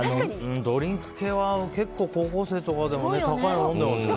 ドリンク系は結構高校生とかでも高いの飲んでますよね。